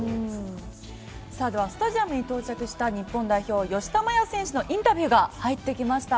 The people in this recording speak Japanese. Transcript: ではスタジアムに到着した日本代表、吉田麻也選手のインタビューが入ってきました。